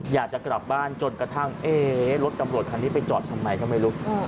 อยากจะกลับบ้านจนกระทั่งรถตำรวจคันนี้ไปจอดทำไมก็ไม่รู้